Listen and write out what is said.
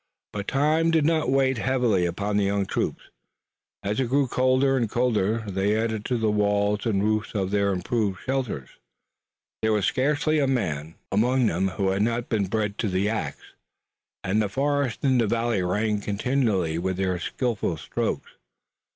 But time did not weigh heavily upon the young troops. As it grew colder and colder they added to the walls and roofs of their improvised shelters. There was scarcely a man among them who had not been bred to the ax, and the forest in the valley rang continually with their skillful strokes.